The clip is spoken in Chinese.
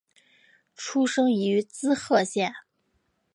出身于滋贺县。